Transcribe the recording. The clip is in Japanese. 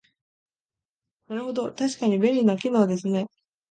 なるほど、確かに便利な機能ですね